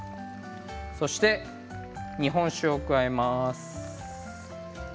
そして日本酒を加えます。